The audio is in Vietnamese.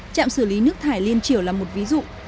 chạm xử lý nước thải liên triểu là một ví dụ